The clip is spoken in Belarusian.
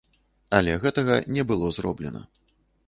Але гэтага не было зроблена.